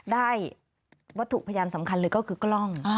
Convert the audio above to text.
ได้วัตถุพยานสำคัญเลยก็คือกล้อง